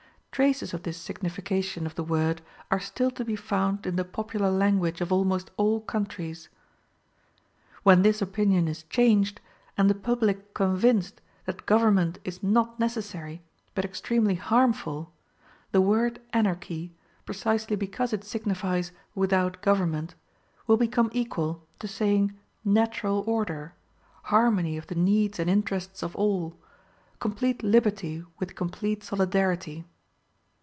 Traces of this signification of the word are still to be found in the popular language of almost all countries. When this opinion is changed, and the public convinced that government is not necessary, but extremely harmful, the word Anarchy, precisely because it signifies without government, will become equal to saying natural order, harmony of the needs and interests of all, complete liberty with complete solidarity.